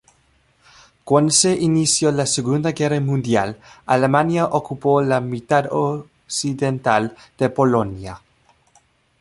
Cuando se inició la Segunda Guerra Mundial, Alemania ocupó la mitad occidental de Polonia.